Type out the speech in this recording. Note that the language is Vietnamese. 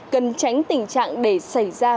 cần tránh tình trạng để xảy ra